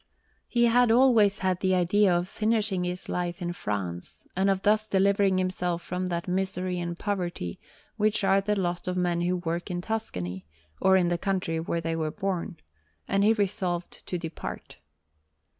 He had always had the idea of finishing his life in France, and of thus delivering himself from that misery and poverty which are the lot of men who work in Tuscany, or in the country where they were born; and he resolved to depart.